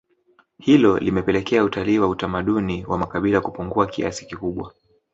hilo limepelekea utalii wa utamaduni wa makabila kupungua kiasi kikubwa